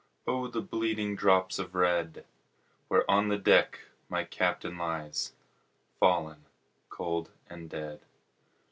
O the bleeding drops of red, Where on the deck my Captain lies, Fallen cold and dead.